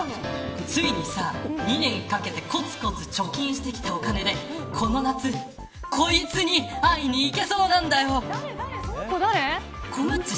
ついに２年かけてこつこつ貯金してきたお金でこの夏、こいつについに会いにいけそうなんだよ。